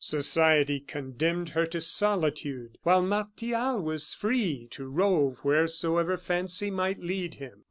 Society condemned her to solitude, while Martial was free to rove wheresoever fancy might lead him.